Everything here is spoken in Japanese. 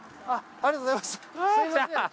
ありがとうございました。来た！